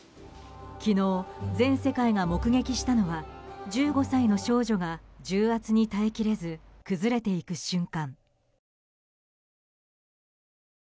昨日、全世界が目撃したのは１５歳の少女が重圧に耐えきれず崩れていく瞬間。